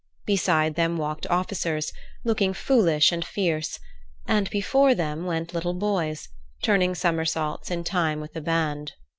Beside them walked officers, looking foolish and fierce, and before them went little boys, turning somersaults in time with the band.